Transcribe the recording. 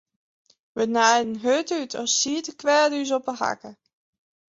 Wy naaiden hurd út as siet de kweade ús op 'e hakke.